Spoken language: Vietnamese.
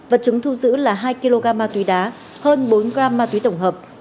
vật chứng thu giữ là hai kg ma túy đá hơn bốn gram ma túy tổng hợp